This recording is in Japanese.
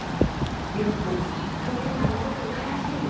亮君船に戻ってないらしいの。